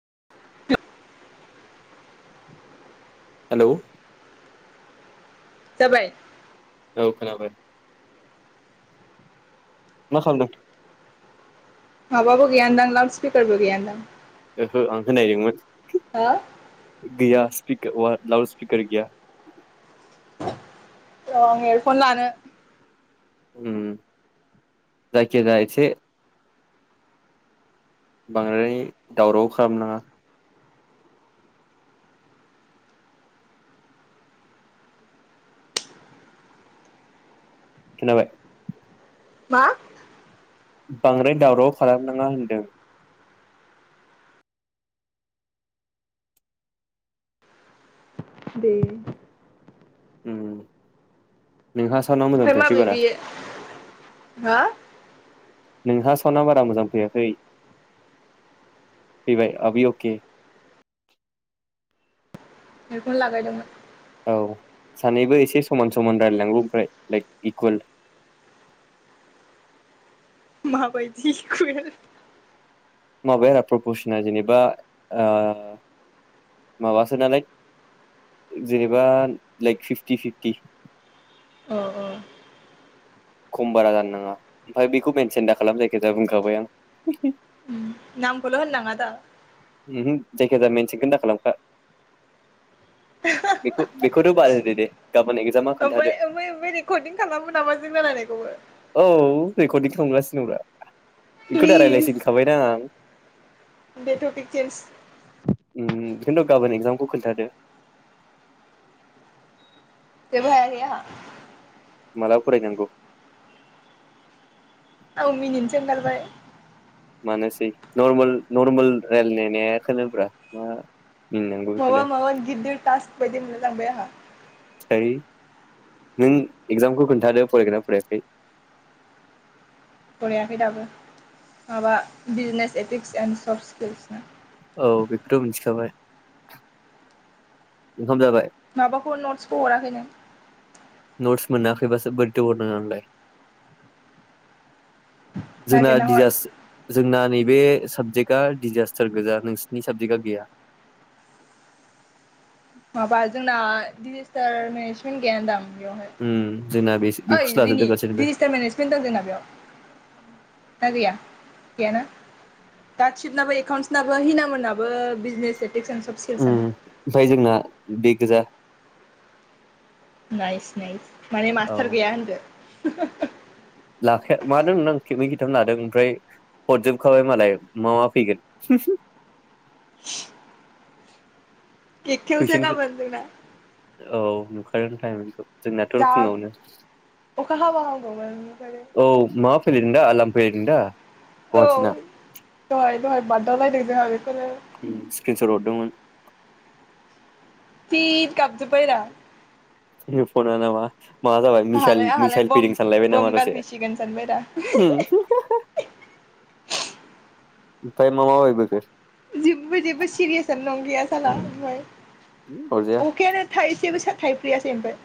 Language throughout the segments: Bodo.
[inaudible] हेल' जाबाय औ खोनाबाय मा खालामदों? माबाबो गैया दां लाउडस्पिकारबो गैयादां हो आं होनायदोंमोन र' गैया पिक अ लाउड स्पिकार गैया रं आं एयारफन लानो ओम जायखिजाया एसे बांद्राय दावराव खालामनाङा खोनाबाय मा? बांद्राय दावराव खालामनाङा होनदों दे। ओम नोंहा सानाव मोजां थायाखै बारा हा नोंहा सावनदा बारा मोजां फैयाखै फैबाय आभि अ के बेखौनो लागायदोंमोन औ सानैबो एसे समान समान रायलायलांगौ ओमफ्राय लाइक इकुवेल माबायदि इकुइवेल माबाया आरो प्रपसना जेनेबा ओ माबासो नालाय जेनेबा लाइक फिफ्टि फिफ्टि अ अ खम बारा जानो नाङा आरो बेखौ मेनसन दा खालाम जायखिजा बुंखाबाय आं नामखौल' होननाङा दा ओमहो जायखिजाया मेनसन खोनो दा खालामखा बेखौ बेखौथ' बाद होदो दे गाबोन एगजामा खोन्थादो ओमफ्राय ओमफ्राय ओमफ्राय रेर्कदिं खालामो नामा जों रायलायनायखौबो रेर्कदिं खालामगसिनो दं ब्रा बेखौ दा रायलायसै होनखाबायना आं बेथ' [inaudible] ओम इखोनोथ गाबोन एक्जामखौ खोन्थादो जेबो हायाखै आंहा माला फराय नांगौ आं मिनिनोसो ओंखारबाय मानोसै नर्मेम नर्मेल रायलायनाया खोनोब्रा मा मिनिनांगौ माबा बेखौलाय माबा गिदिर तासबायदि मोनलाय लांबाय आंहा थै नों एक्जामखौ खोन्थादो फरायदों ना फरायाखै फरायाखै दाबो माबा बिजनेस एटिक्स एन्ड र्सस स्किल्स न औ बेखौथ' मिथिखाबाय ओंखाम जाबाय? माबाखौ नटसखौ हराखै नों? नत्स मोनाखैबासो बोरैथो हरनांगौ आंलाय? जोंना नागिरना हर दिजास जोंना नैे बे साबजेक्टआ डिजास्टार गोजा नोंसोरनि साबजेक्टा गैया। माबा जोंना डिजेस्टार मेनसन गैयान दां? उम जोंना बे बेयावहाय बेखौसो ओइ लाजोबदों रिनि गासैनोबो डिजिस्टार मेनेसमेन्ट दं जोंना बेयाव? ना गैया गैयाना? गासैनाबो एकाउन्टसनाबो हिनामोननाबो बिजनेस ए उम ओमफ्राय जोंना बेग गोजा। Nice nice. माने मास्टार औ गैया होनदो? [unintelligible] लाखाया मादों [unintelligible] थाम लादों ओमफ्राय हरजोबखाबाय मालाय मा मा फैगोन। एकथायावसो कुइसनखौ गाबोन जोंना। औ नुखागोन टाइमिंखौ। जोंनाथ' जा फुं आवनो। अखा हाबा हामगौमोन ओमफ्राय औ माबा फैलिदों दा लाम [unintelligible] दा औ गुवाहाटिना दहाय दहाय बादावलायदों जोंहा। बे स्क्रीनसट हरदोंमोन। थिग गाबजोबायरा। [unintelligible] नामा? मा जाबाय मिसाइल आंहालाय आंहालाय मिसाइल बम फैदों सानलायबाय नामा बम दसे? गारफैसिगोन सानबायरा ओमफाय मा मा बायबोखो? जेबो जेबो सिरियासनो नंखाया साला ओमाय। अरजाया अखायानो थायसेबो सा थाइप्रियासै ओमफ्राय।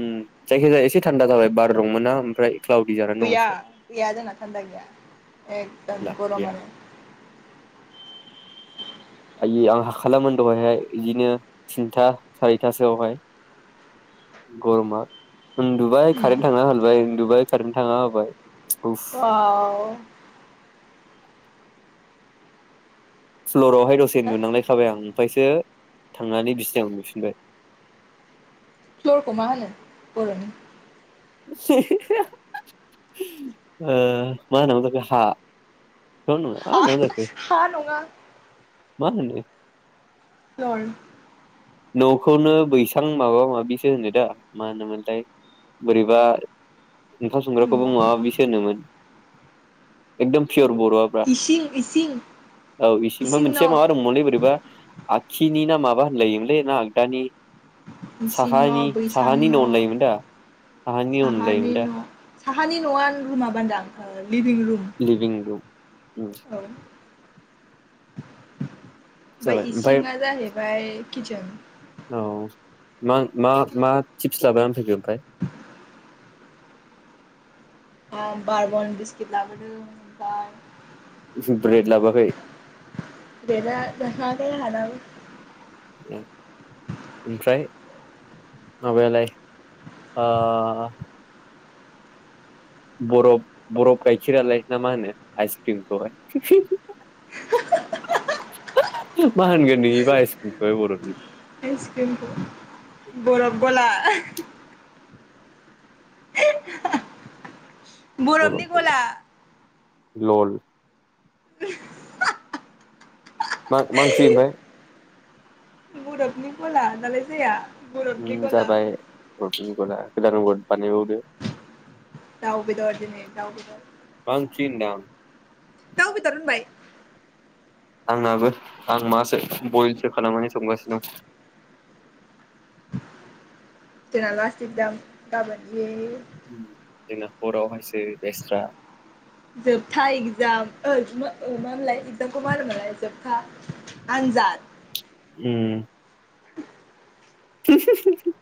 उम जायखिजाया एसे थान्दा जाबाय बार दं मोनना। ओमफ्राय क्लाउदि जानानै दं गैया एसे गैया जोंना थान्दा गैया एकदम लाब गैया गरमानो। आयो आं हाखालामोन दहायहाय इदिनो थिनथा सारिथासोआवहाय गरमा। उन्दुबाइ खारेन थांना होलायबाय उन्दुबाइ खारेन थांना होबाय। उफ अवाव। फ्ल'रावहाय दसे उन्दुनांलायखाबाय आं। ओमफ्रायसो थांनानै बिसनायाव उन्दुफिनबाय। फ्लरखौ माहोनो बर'नि? [unintelligible] मा होनो हा? थ' नङा मा हा होननांगौ जाखो हा नङा। मा होनोमोनलै? दर। न'खौनो बैसां माबा माबिसो होनो दा मा होनोमोनलाय बोरैबा ओंखाम संग्राखौबो माबा न' माबिसो होनोमोन। एकदम पियर बर'आ ब्रा इसिं इसिं [inaudible] औ इसिं मा ओमफ्राय मोनसेया माबा दंमोनलै बोरैबा खिनि ना माबा होनलायोमोन बे ना आगदानि इसिं न' साहानि बैसां साहानि न होनलायोमोन दा साहानि न होनलायोमोन दाथृई साहानि न'आ रुमा बान्दा ओं लिभिं रुम लिभिं रुम उम [inaudible] औ। ओमफ्राय जाबाय ओमफ्राय इसिङा जाहैबाय किसजेन [unintelligible] औ मा-मा-मा टिप्स लाबाय आं फैदो ओमफ्राय? [inaudible] बार बन बिस्किट लाबोदों बा ब्रेड लाबोआखै [inaudible] [unintelligible] ए ओमफ्राय माबायालाय ओ बरफ बरफ गाइखेरालाय ना मा होनो आइसक्रिमखौहाय [inaudible] मा होनगोन नोंनिबो [unintelligible] आइसक्रिमखौहाय बर'नि? आइसक्रिमखौ बरफ [unintelligible] [inaudible] बर' बरफनि बर' गला। लल। [inaudible] मा-मा ओंख्रि ओमफ्राय? बरपनि खला दालाय जाया? बरफनि उम गला जाबाय र [unintelligible] गोदारग [unintelligible] दाउ बेदर दिनै। दाउ बेदर। मा ओंख्रि होनदां? दाउ बेदर होनबाय। आंनाबो आं मासो बयेलसो खालामनानै संगासिनो दं। जना लास देत दां गाबोन ए दिना हरावहायस जोबथा एक्जाम ओ मा मोनलाय एग्जामखौ मा होनोमोनलाय जोबथा आनजाद‌। उम। [unintelligible]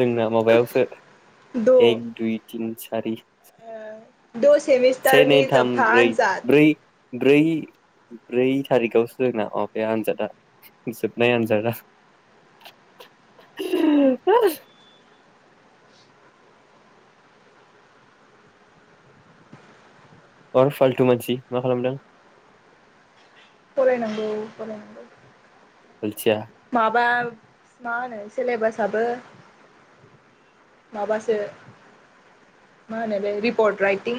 जोंना माबायावसो द' एक दुइ तिन सारि। द' सेमिस्टारनि जोबथा आनजाद बै ब्रै थारिखआवसो जोंना अ बे आनजादा जोबनाय आनजादा [inaudible] अर फाल्थु मानसि मा खालामदों? फरायनांगौ फरायनांगौ। अलथिया माबा मा होनो सेलेबास आबो माबासो मा होनो बे रिपर्ट राइटिं,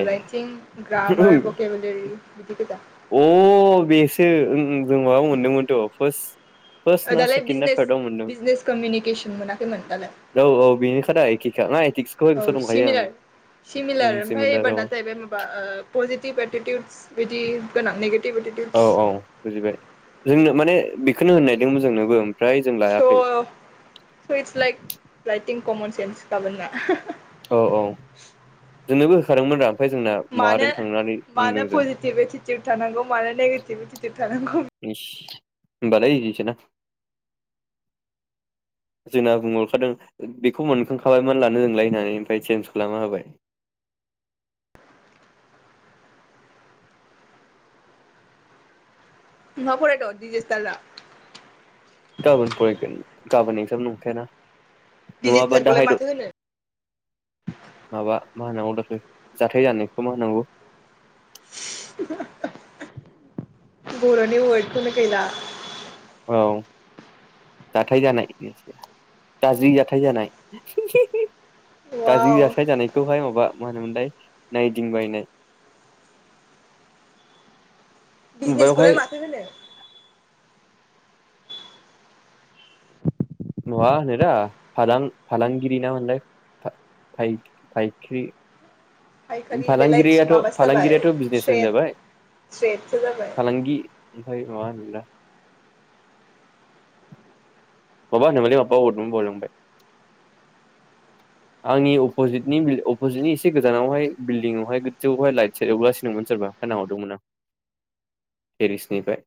ए राइटिं, ग्रामार, बकेबलेरि, बिदि गोजा। अ बेसो उम उम जों माबायाव मोनदोंमोनथ' पार्स दालाय बिजनेस बिजनेस कमिउनिकेसन मोनाखैमोन दालाय। औ औ बेनोखादा एखेखा ना एटिक्सखौहाय औ गोसोआव दंखायो आं सिमलार उम सिमिलार ओमफ्राय एबारा सेमिनाराव जाहैबाय माबा पजिटिभ एटिटिउदस बिदि गोनां नैबे औ औ बुजिबाय। जोंनो माने बेखोनो होननायदोंमोन जोंनोबो ओ स' स' इटस लायक ला एटिं कमन सेन्स गाबोन ना। औ औ जोंनोबो होदोंमोन दा। मानो मानो पजिटिभ एटिटिउड थानांगौ मानो नेगेटिभ एटिटिउड थानांगौ इस। होमबालाय इजिसोना। जोंना बुंहरखादों बेखौ मोनखांखाबायमोन लानो नोंलाय होननानै ओमफ्राय चेन्ज खालामना होबाय। न फरावथ'वाखै दिजिस्थारा? गाबोन फरायगोन गाबोन एकजाम नंखायाना। नङाबा डिजिस्टारखौलाय दाहायद' माथो होनो माबा मा होनांगौ दा जाथाय जानायखौ मा होननांगौ? बर'नि वर्दखौनो गैला औ जाथाय जानाय गाज्रि जाथाय जानाय। [inaudible] गाज्रि वाव जाथाय जानायखौहाय माबा मा होनो मोनलाय नाइदिं बायनाय। बिजनेसखौलाय माथो होनो? माबा होनोरा फालां-फालांगिरि ना मा मोनलाय फाइख्रि फायखारि बेलाय फालांगिरियाथ' माबासो जाबाय फालांगिरियाथ' बिजनेसमेन ट्रेड जाबाय। ट्रेडसो जाबाय फालांगि ओमफ्राय नंङा होमब्लाना। माबा होनोमोनलै माबा हरदोंमोन बावलांबाय। आंनि अपजितनि अपजितनि एसे गोजानावहाय बिल्डिंआवहाय गोजौवाव लाइट सेरहरगासिनोमोन सोरबा ओंखाय नाहरदों मोन आं तेरेसनिफ्राय।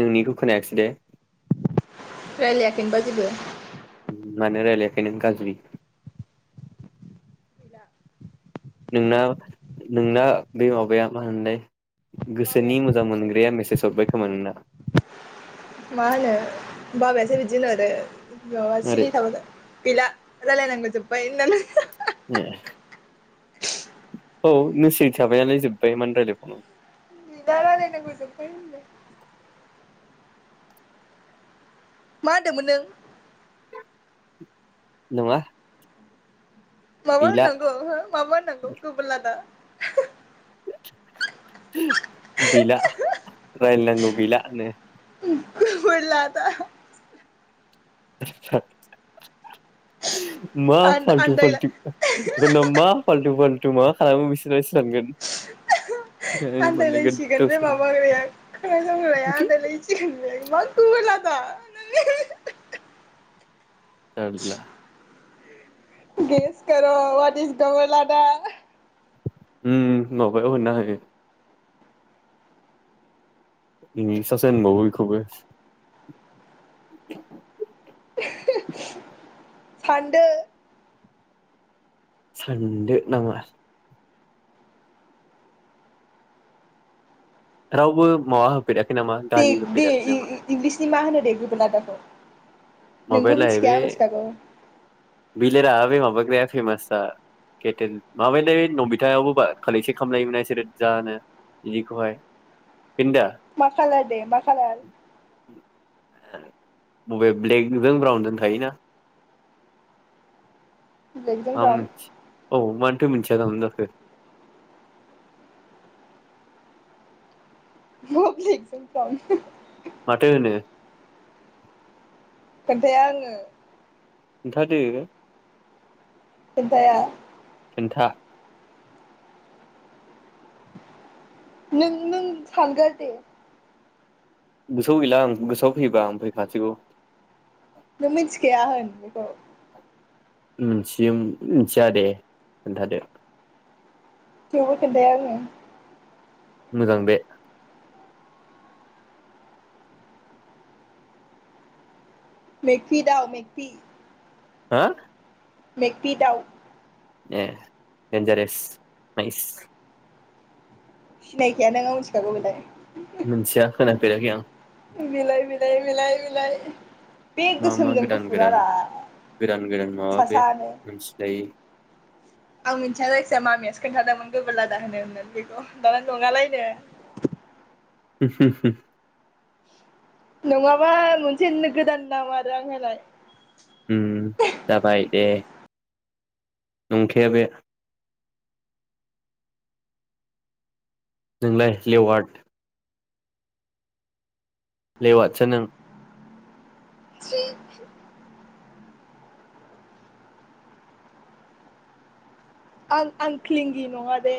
नोंनिखौ खोनायासै दे रायज्लायाखैमोनबा जेबो मानो रायलखै नों गाज्रि गैला। नोंना नोंना बे माबाया मा होनलाय गोसोनि बाबायासो मोजां बिदि होनो जोंना मोनग्राया मेसेज हरबाय खोमा नोंना मा होनो? बाबायासो बिदि होनहरो। माबा आरो सिरि थाबा गैला राय्लायनांगौ जोब बाय होननानै ए औ नों सिरि थाबायनालाय जोब्बाय मानो राय्लायबावनांगौ। गैला [unintelligible] मा होनदोंमोन नों? नङा। माबा गैला होननांगौ हो माबा होननांगौ गोबोरलादा। गैला रायलायनांगो गैला होनो गोबोरलादा [inaudible] मा आन फालथु आन्दायला फालथु होनना मा फालथु फालथु थ' मा खालायो बिसोरलाय सो सानगोन मोनलायगोन आनदायलायसिगोन बे गावसोर माबाग्राया खोनासंग्राया आनदायलायसिगोन बे मा गोबोरलाद दा होननानै जारला [unintelligible] उम माबायाव होनना होदो बिनि सासे होनबाउओ बिखौबो [inaudible] फानदो सानदो नाङा रावबो मावा दे दे इं-इं-इंलिसनि मा होनो दे गोबोर लादाखौ। माबायालाय बे बिलाय रा बे माब बाग्राया फेमासा केथेन माबानाय नमिथायावबो बा खालेकसन खालामनायमोनना इसोरो बुजानो इनिखौहाय मा खालार दे मा खालार मबेब ब्लेगजों ब्राउनजों थायोना ब्लेकजों ब्राउन [unintelligible] थो मिथिया जानांगौ जाखो [unintelligible] माथो होनो खोनथाया आंङो खोनथादो खोनथाया [unintelligible] नों- नों [unintelligible] गोसोआव गैला आं गोसोआव फैयोबा आं फैखासिगौ। नों मिथिखाया होन बेखौ। मिथि मिथिया दे खोनथादो। थेवबो खोनथाया आङो मोजां बे मेगपि दाव मेगपि हा मेक्बि दाउ ए देनजारेस नाइस सिनायखाया नों आं मिथिखागौ बेलाय मोनथिया खोनाफेराखै आं बिलाइ बिलाइ [unintelligible] मा मा गोसोमजों गोदान गोदान गुफुरारा गोदान गोदान माबा बे सासानो मोनथिलायै आं मिथिया जायखिजाया मामियासो खोन्थादोंमोन गोबोर लादा होनो होननानै बेखौ दाना दङालायनो। होम होम होम नङाबा मोनसे गोदान नाम आरो आं होनाय ओम जाबाय दे नंखाया बे नोंलाय लेवार्ड लेवादसो नों सि आं आंख्लिंगि नङादे